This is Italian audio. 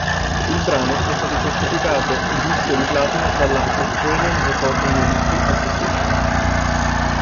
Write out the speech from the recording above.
Il brano è stato certificato disco di platino dalla Australian Recording Industry Association.